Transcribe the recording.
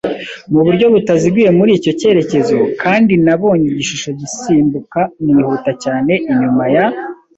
muburyo butaziguye muri icyo cyerekezo, kandi nabonye igishusho gisimbuka nihuta cyane inyuma ya